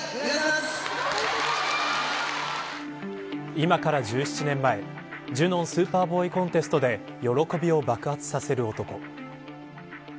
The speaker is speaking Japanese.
今から１７年前ジュノン・スーパーボーイ・コンテストで喜びを爆発させる男。